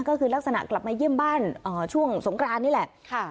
ก็คือลักษณะกลับมาเยี่ยมบ้านช่วงสงกรานนี่แหละ